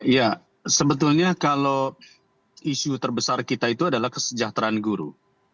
ya sebetulnya kalau isu terbesar kita itu adalah kesejahteraan guru